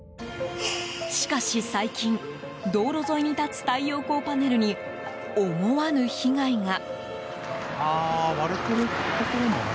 しかし最近道路沿いに立つ太陽光パネルに思わぬ被害が。